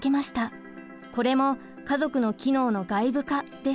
これも家族の機能の外部化です。